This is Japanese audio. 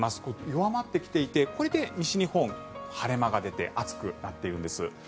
弱まってきていてこれで西日本、晴れ間が出て暑くなっているんです。